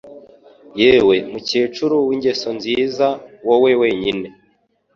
Yewe mukecuru w'ingeso nziza wowe wenyine